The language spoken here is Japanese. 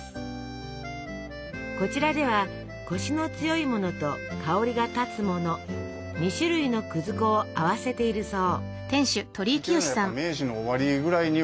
こちらではコシの強いものと香りが立つもの２種類の粉を合わせているそう。